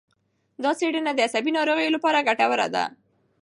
دا څېړنه د عصبي ناروغیو لپاره ګټوره ده.